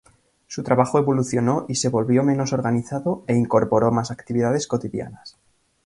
Su trabajo evolucionó, y se volvió menos organizado e incorporó más actividades cotidianas.